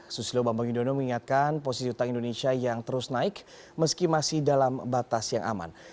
susilo bambang yudhono mengingatkan posisi utang indonesia yang terus naik meski masih dalam batas yang aman